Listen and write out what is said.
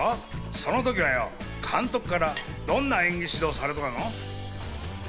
その時はよ、監督からどんな演技指導されたの？